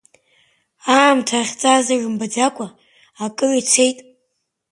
Аамҭа ахьцаз рымбаӡакә акыр ицеит.